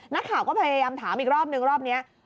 นักข่าวก็พยายามถามอีกรอบนึงรอบนี้